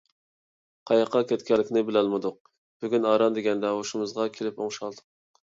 قاياققا كەتكەنلىكىنى بىلەلمىدۇق. بۈگۈن ئاران دېگەندە ھوشىمىزغا كېلىپ ئوڭشالدۇق.